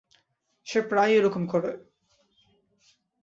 সে প্রায়ই এরকম করে।